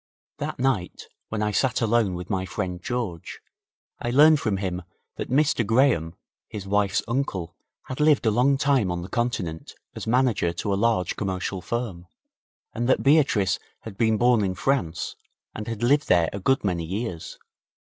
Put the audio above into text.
That night, when I sat alone with my friend George, I learned from him that Mr Graham, his wife's uncle, had lived a long time on the Continent as manager to a large commercial firm, and that Beatrice had been born in France and had lived there a good many years.